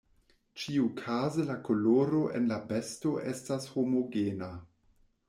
Ĉiukaze la koloro en la besto estas homogena.